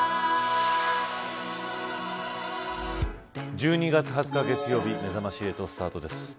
１２月２０日月曜日めざまし８スタートです。